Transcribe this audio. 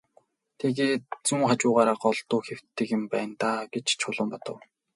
Тэгээд зүүн хажуугаараа голдуу хэвтдэг юм байна даа гэж Чулуун бодов.